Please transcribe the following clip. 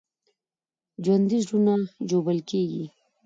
ژوندي زړونه ژوبل کېږي